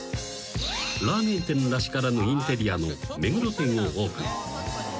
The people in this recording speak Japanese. ［ラーメン店らしからぬインテリアの目黒店をオープン］